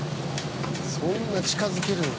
「そんな近づけるん？」